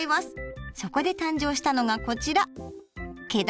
そこで誕生したのがこちら。